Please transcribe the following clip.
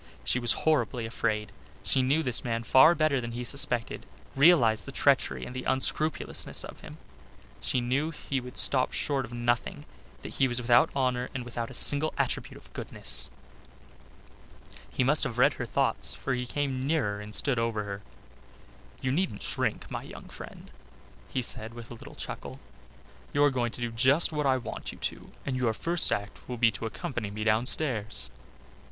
She was horribly afraid. She knew this man far better than he suspected, realized the treachery and the unscrupulousness of him. She knew he would stop short of nothing, that he was without honour and without a single attribute of goodness. He must have read her thoughts for he came nearer and stood over her. "You needn't shrink, my young friend," he said with a little chuckle. "You are going to do just what I want you to do, and your first act will be to accompany me downstairs.